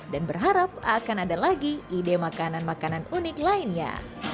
dan berharap akan ada lagi ide makanan makanan unik lainnya